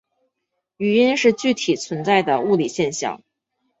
语音是具体存在的物理现象。